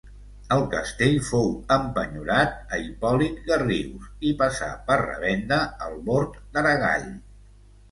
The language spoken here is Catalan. El castell fou empenyorat a Hipòlit Garrius i passà, per revenda, al Bord d'Aragall.